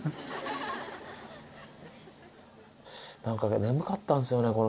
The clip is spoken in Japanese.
何か眠かったんですよね